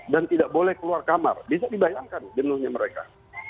dan tidak boleh keluar kamar bisa dibayangkan jenuhnya mereka